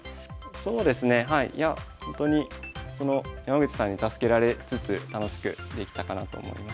そうですねはいいやほんとに山口さんに助けられつつ楽しくできたかなと思います。